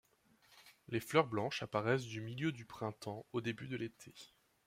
Les fleurs blanches apparaissent du milieu du printemps au début de l'été.